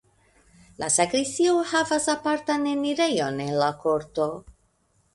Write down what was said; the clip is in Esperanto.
La sakristio havas apartan enirejon el la korto.